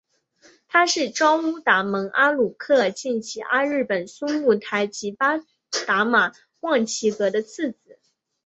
他是昭乌达盟阿鲁科尔沁旗阿日本苏木台吉巴达玛旺其格的次子。